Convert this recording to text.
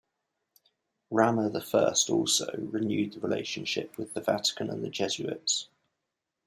Rama the First also, renewed the relationship with the Vatican and the Jesuits.